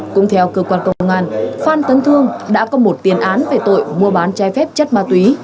cũng theo cơ quan công an phan tấn thương đã có một tiền án về tội mua bán trái phép chất ma túy